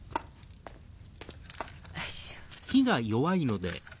よいしょ。